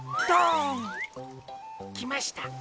きました。